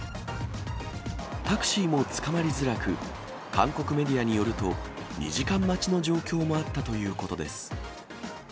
タクシーもつかまりづらく、韓国メディアによると、２時間待ちの状況もあったということです。